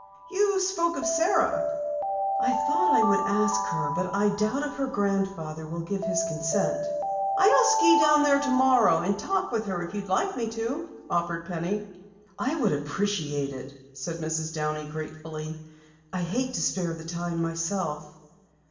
"You spoke of Sara." "I thought I would ask her, but I doubt if her Grandfather will give his consent." "I'll ski down there tomorrow and talk with her if you would like me to," offered Penny. "I would appreciate it," said Mrs. Downey gratefully. "I hate to spare the time myself."